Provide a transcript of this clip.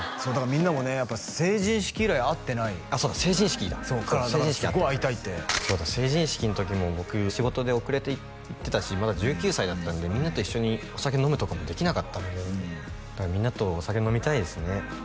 みんなもねやっぱ成人式以来会ってないそうだ成人式だだからすっごい会いたいって成人式の時も僕仕事で遅れて行ってたしまだ１９歳だったんでみんなと一緒にお酒飲むとかもできなかったのでみんなとお酒飲みたいですね